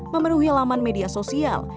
memeruhi laman media sosial